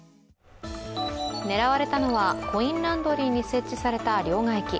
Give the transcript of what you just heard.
狙われたのはコインランドリーに設置された両替機。